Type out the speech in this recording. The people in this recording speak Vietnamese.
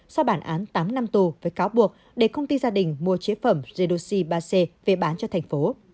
sau bản án tám năm tù với cáo buộc để công ty gia đình mua chế phẩm jedoxi ba c về bán cho thành phố